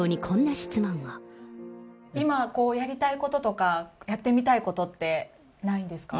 今、やりたいこととか、やってみたいことってないんですか？